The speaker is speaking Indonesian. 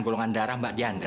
golongan darah mbak diandra